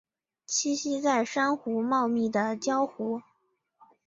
栖息在珊瑚茂密的礁湖。